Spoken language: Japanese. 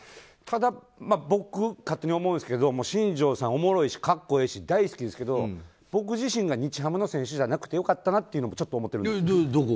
ただ、僕、勝手に思うんですけど新庄さんはおもろいし格好いいし大好きですけど僕自身が日ハムの選手じゃなくて良かったなとはちょっと思ってるんです。